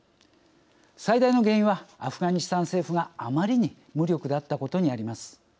最大の原因はアフガニスタン政府があまりに無力だったことにあります。